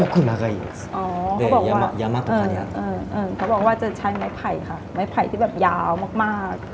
เขาบอกว่าจะใช้ไม้ไผ่ค่ะไม้ไผ่ที่แบบยาวมาก